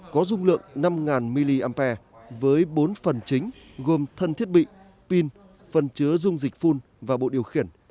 có dung lượng năm m ampe với bốn phần chính gồm thân thiết bị pin phần chứa dung dịch phun và bộ điều khiển